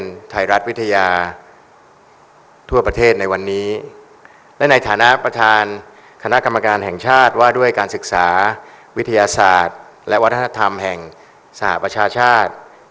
ในฐานะประธานคณะกรรมการแห่งชาติว่าด้วยการศึกษาวิทยาศาสตร์และวัฒนธรรมแห่งสหประชาชาติ